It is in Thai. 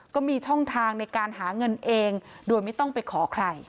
ก็มีช่องทางในการหาเงินเองโดยไม่ต้องไปขอใคร